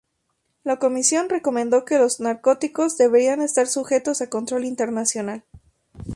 La Comisión recomendó que los narcóticos deberían estar sujetos a control internacional.